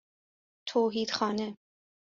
توحیدخانه